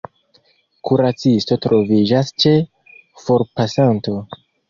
Kuracisto troviĝas ĉe forpasanto.